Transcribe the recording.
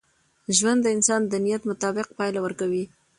ژوند د انسان د نیت مطابق پایله ورکوي.